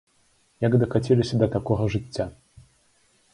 Як дакаціліся да такога жыцця?